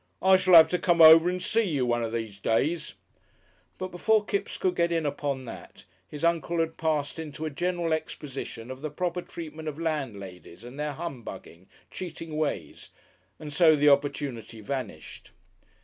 I shall have to come over and see you one of these days," but before Kipps could get in upon that, his Uncle had passed into a general exposition of the proper treatment of landladies and their humbugging, cheating ways, and so the opportunity vanished.